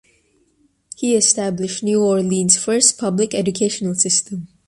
He established New Orleans' first public educational system.